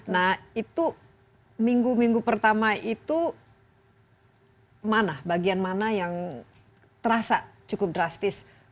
nah itu minggu minggu pertama itu bagian mana yang terasa cukup drastis